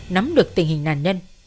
nắm được tình hình nạn nhân